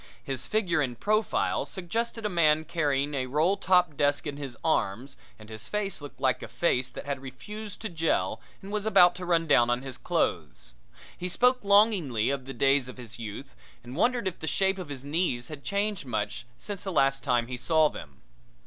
His figure in profile suggested a man carrying a roll top desk in his arms and his face looked like a face that had refused to jell and was about to run down on his clothes. He spoke longingly of the days of his youth and wondered if the shape of his knees had changed much since the last time he saw them.